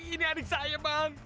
ini adik saya bang